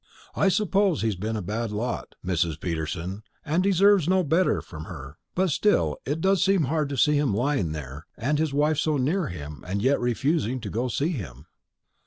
I suppose he's been a bad lot, Mrs. Peterson, and deserves no better from her; but still it does seem hard to see him lying there, and his wife so near him, and yet refusing to go and see him."